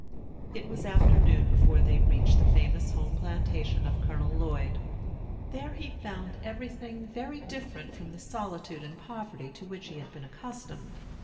It was afternoon before they reached the famous Home Plantation of Colonel Lloyd. There he found everything very different from the solitude and poverty to which he had been accustomed.